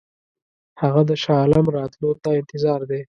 هغه د شاه عالم راتلو ته انتظار دی.